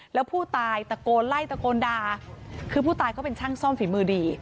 แล้วผู้ตายตะโกนไล่ตะโกนด่าคือผู้ตายเขาเป็นช่างซ่อมฝีมือดี